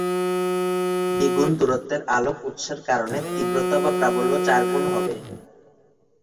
দ্বিগুণ দূরত্বের আলোক উৎসের কারণে তীব্রতা/প্রাবল্য চারগুণ হবে।